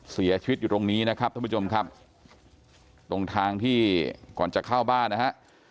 เสียชีวิตอยู่ตรงนี้นะครับท่านผู้ชมครับตรงทางที่ก่อนจะเข้าบ้านนะฮะ